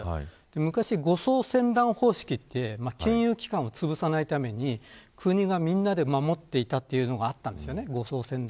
昔、護送船団方式という金融機関をつぶさないために国がみんなで守っていたというのがあったんです。